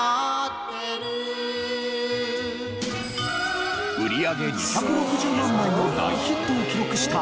売上２６０万枚の大ヒットを記録したこの曲。